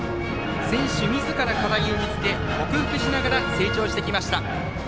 選手みずから課題を見つけ克服しながら成長してきました。